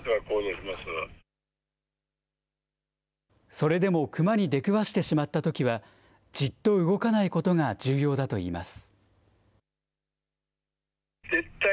それでもクマに出くわしてしまったときは、じっと動かないことが重要だといいます。